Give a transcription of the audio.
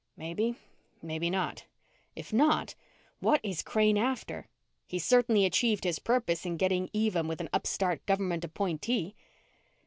Maybe, maybe not. If not, what is Crane after? He's certainly achieved his purpose in getting even with an upstart government appointee.